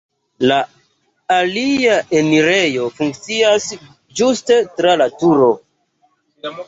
La alia enirejo funkcias ĝuste tra la turo.